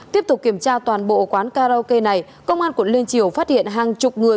tiếp tục kiểm tra toàn bộ quán karaoke này công an quận liên triều phát hiện hàng chục người